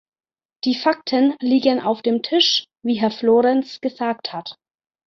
Die Fakten liegen auf dem Tisch, wie Herr Florenz gesagt hat.